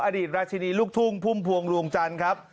อดีตราชินีลูกทุ่งพุ่มพวงดวงจันทร์ครับ